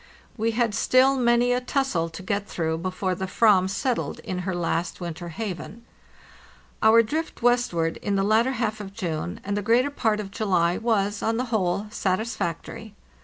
We had still many a tussle to get through before the ram settled in her last winter haven. Our drift westward in the latter half of June and the greater part of July was, on the whole, satisfactory.